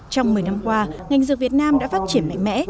trong một mươi năm qua ngành dược việt nam đã phát triển mạnh mẽ